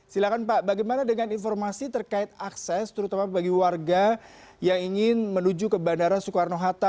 silahkan pak bagaimana dengan informasi terkait akses terutama bagi warga yang ingin menuju ke bandara soekarno hatta